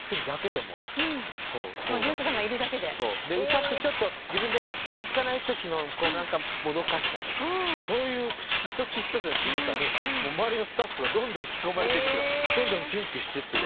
歌って自分で納得いかないときのもどかしさとかそういう一つ一つのしぐさに周りのスタッフがどんどん引き込まれていくというかどんどんキュンキュンしてってるのがね。